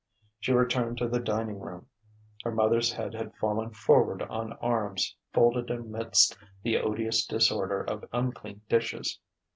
She returned to the dining room. Her mother's head had fallen forward on arms folded amidst the odious disorder of unclean dishes.